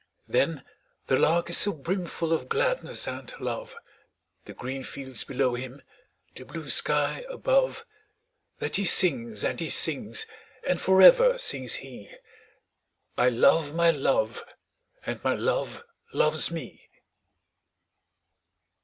But the Lark is so brimful of gladness and love, The green fields below him, the blue sky above, That he sings, and he sings; and for ever sings he 'I love my Love, and my Love loves me!'